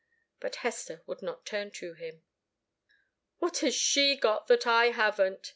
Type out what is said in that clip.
But Hester would not turn to him. "What has she got that I haven't?"